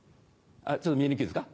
ちょっと見えにくいですか？